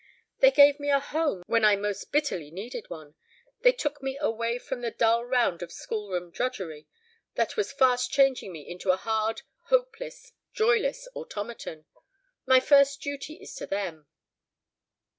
They gave me a home when I most bitterly needed one. They took me away from the dull round of schoolroom drudgery, that was fast changing me into a hard hopeless joyless automaton. My first duty is to them."